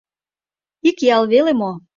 Ик ял веле мо!